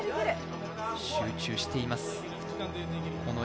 集中しています。